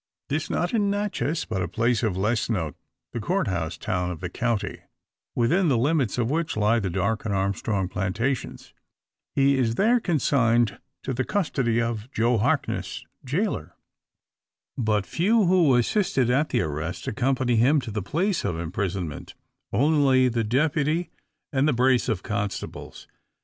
This not in Natchez, but a place of less note; the Court house town of the county, within the limits of which lie the Darke and Armstrong plantations. He is there consigned to the custody of Joe Harkness, jailer. But few, who assisted at the arrest, accompany him to the place of imprisonment; only the Deputy, and the brace of constables.